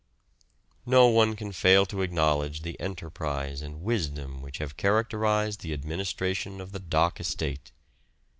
No one can fail to acknowledge the enterprise and wisdom which have characterised the administration of the dock estate.